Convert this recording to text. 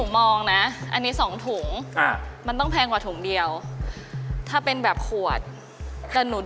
โบร์สเบาเดี๋ยวก็เจ็บคอหรอก